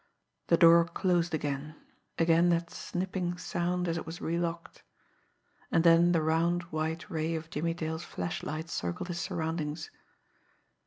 The door closed again; again that snipping sound as it was relocked and then the round, white ray of Jimmie Dale's flashlight circled his surroundings.